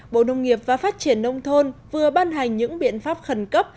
bộ nông nghiệp và phát triển nông thôn vừa ban hành những biện pháp khẩn cấp